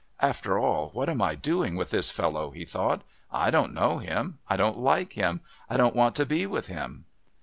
"After all, what am I doing with this fellow?" he thought. "I don't know him. I don't like him. I don't want to be with him."